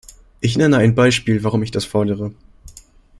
Ich nenne ein Beispiel, warum ich das fordere.